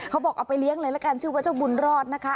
เอาไปเลี้ยงเลยละกันชื่อว่าเจ้าบุญรอดนะคะ